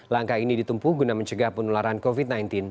langkah ini ditempuh guna mencegah penularan covid sembilan belas